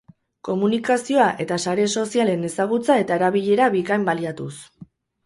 Komunikazioa eta sare sozialen ezagutza eta erabilera bikain baliatuz.